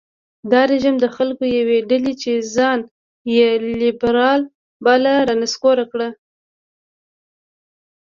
دا رژیم د خلکو یوې ډلې چې ځان یې لېبرال باله رانسکور کړ.